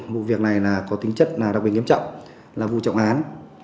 vụ việc này có tính chất đặc biệt nghiêm trọng là vụ trọng án